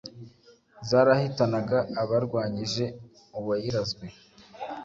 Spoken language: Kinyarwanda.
zarahitanaga abarwanyije uwayirazwe.